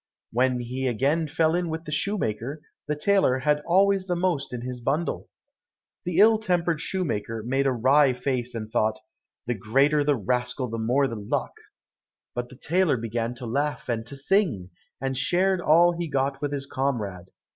When he again fell in with the shoemaker, the tailor had always the most in his bundle. The ill tempered shoemaker made a wry face, and thought, "The greater the rascal the more the luck," but the tailor began to laugh and to sing, and shared all he got with his comrade.